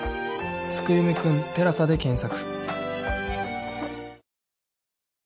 「月読くんテラサ」で検索